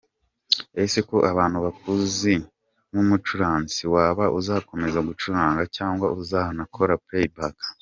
Ese ko abantu bakuzi nk'umucuranzi, waba uzakomeza gucuranga cyangwa uzanakora Play Back?.